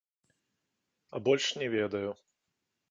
А больш не ведаю.